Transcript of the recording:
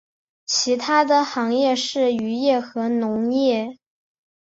其它的行业是渔业和农业。